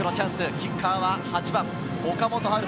キッカーは８番・岡本温叶。